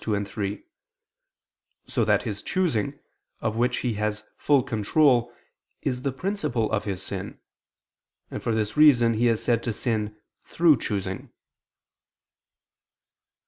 2, 3), so that his choosing, of which he has full control, is the principle of his sin: and for this reason he is said to sin "through" choosing.